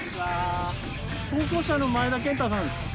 投稿者の前田健太さんですか？